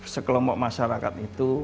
sekelompok masyarakat itu